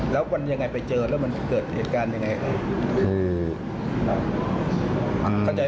แล้วมันยังไงไปเจอแล้วมันเกิดเหตุการณ์ยังไง